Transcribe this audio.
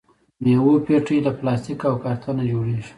د میوو پیټۍ له پلاستیک او کارتن جوړیږي.